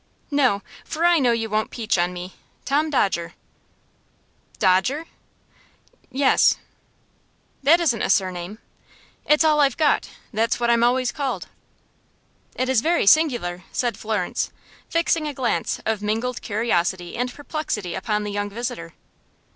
"No; for I know you won't peach on me. Tom Dodger." "Dodger?" "Yes." "That isn't a surname." "It's all I've got. That's what I'm always called." "It is very singular," said Florence, fixing a glance of mingled curiosity and perplexity upon the young visitor.